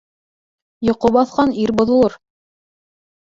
Йоҡо баҫҡан ир боҙолор.